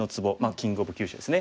「キング・オブ・急所」ですね。